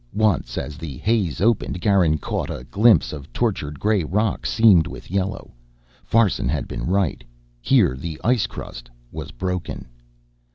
Once, as the haze opened, Garin caught a glimpse of tortured gray rock seamed with yellow. Farson had been right: here the ice crust was broken.